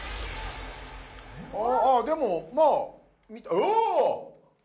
ああでもまああ！